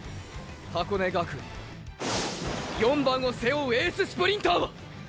箱根学園の“４番”を背負うエーススプリンターは！！